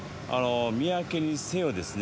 三宅にせよですね